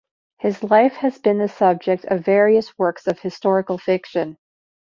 His life has been the subject of various works of historical fiction.